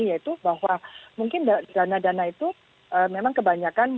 yaitu bahwa mungkin dana dana itu memang kebanyakan